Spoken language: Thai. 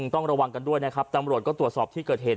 ต้องระวังกันด้วยนะครับตำรวจก็ตรวจสอบที่เกิดเหตุ